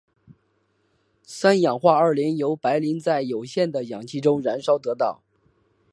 三氧化二磷由白磷在有限的氧气中燃烧得到。